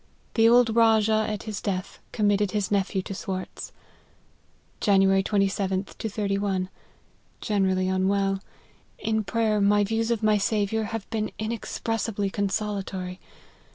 The old Rajah, at his death, committed his nephew to Swartz." "Jan. 27th to 31. Generally unwell. In pray er, my views of my Saviour have been inexpressi bly consolatory.